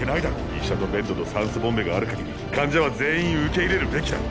医者とベッドと酸素ボンベがある限り患者は全員受け入れるべきだ。